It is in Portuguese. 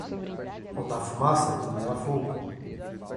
Onde há fumaça, também há fogo.